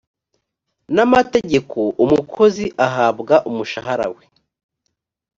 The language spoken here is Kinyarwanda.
n amategeko umukozi ahabwa umushahara we